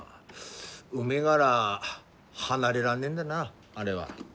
海がら離れらんねえんだなあれは。